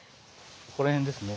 ここら辺ですね。